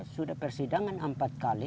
sudah persidangan empat kali